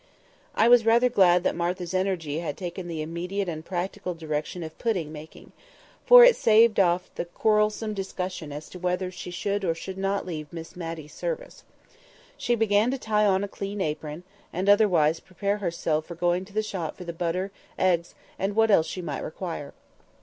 I was rather glad that Martha's energy had taken the immediate and practical direction of pudding making, for it staved off the quarrelsome discussion as to whether she should or should not leave Miss Matty's service. She began to tie on a clean apron, and otherwise prepare herself for going to the shop for the butter, eggs, and what else she might require.